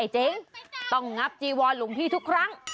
เจ๊งต้องงับจีวรหลวงพี่ทุกครั้ง